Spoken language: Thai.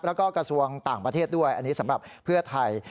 แล้วก็กระทรวงต่างประเทศด้วยอันนี้สำหรับเพื่อไทย